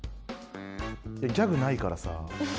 ギャグないからさ。